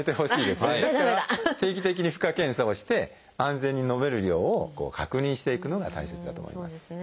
ですから定期的に負荷検査をして安全に飲める量を確認していくのが大切だと思います。